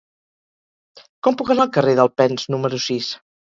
Com puc anar al carrer d'Alpens número sis?